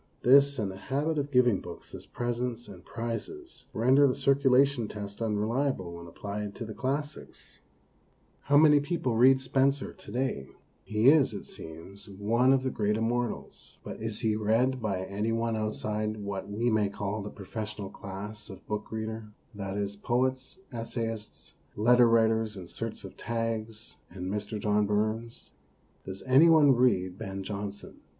This and the habit of giving books as presents and prizes render the circulation test unreliable when applied to the classics. How many people read 184 MONOLOGUES Spenser to day? He is, it seems, one of the great immortals. But is he read by any one outside what we may call the profes sional class of book reader that is, poets, essayists, leader writers in search of tags, and Mr. John Burns? Does any one read Ben Jonson?